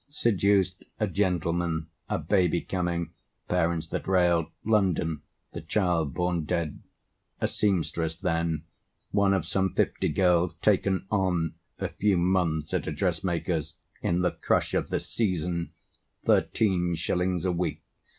Seduced; a gentleman; a baby coming; Parents that railed; London; the child born dead; A seamstress then, one of some fifty girls "Taken on" a few months at a dressmaker's In the crush of the "season;" thirteen shillings a week!